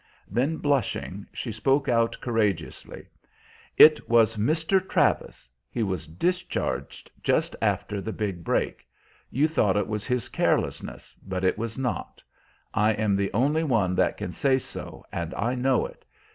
Then, blushing, she spoke out courageously: "It was Mr. Travis. He was discharged just after the big break. You thought it was his carelessness, but it was not. I am the only one that can say so, and I know it.